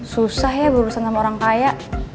susah ya berurusan sama orang kaya